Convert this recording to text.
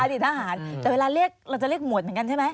อดีตทหารแต่เวลาเรียกเราจะเรียกหมวดเหมือนกันใช่ไหม